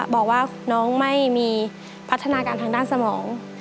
บอกว่าน้องไม่มีพัฒนาการทางด้านสมอง